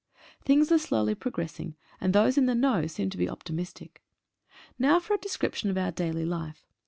Things are slowly progressing and those in the know seem to be optimistic. Now for a description of our daily life.